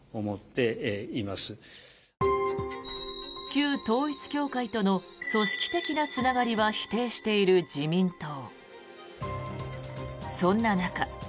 旧統一教会との組織的なつながりは否定している自民党。